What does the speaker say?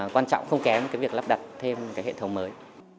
quan trọng không kém cái việc lắp đặt thêm cái hệ thống mới